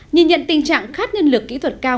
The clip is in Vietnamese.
nhìn nhận tình trạng khát nhân lực kỹ thuật cao